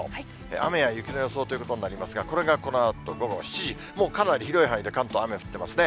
雨や雪の予想ということになりますが、これがこのあと午後７時、もうかなり広い範囲で関東、雨降ってますね。